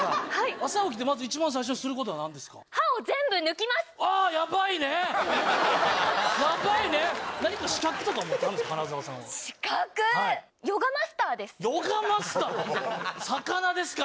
朝起きて一番最初にすることはなんですか？